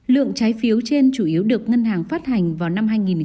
lượng trái phiếu trên chủ yếu được ngân hàng phát triển việt nam bidv